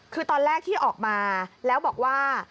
คือตอนแรกที่ออกมาแล้วบอกว่า